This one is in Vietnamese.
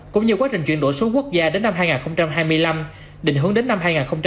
cũng như quá trình chuyển đổi số quốc gia đến năm hai nghìn hai mươi năm định hướng đến năm hai nghìn ba mươi